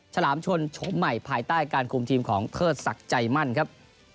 ฉลามชนชกใหม่ภายใต้การคุมทีมของเทิดศักดิ์ใจมั่นครับ